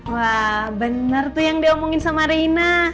wah benar tuh yang diomongin sama reina